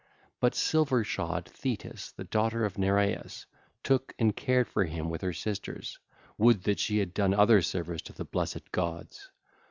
But silver shod Thetis the daughter of Nereus took and cared for him with her sisters: would that she had done other service to the blessed gods!